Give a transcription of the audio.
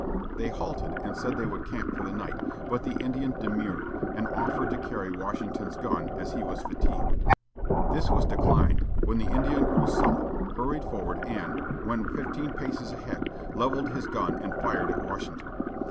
They halted, and said they would camp for the night, but the Indian demurred, and offered to carry Washington's gun, as he was fatigued. This was declined, when the Indian grew sullen, hurried forward, and, when fifteen paces ahead, levelled his gun and fired at Washington.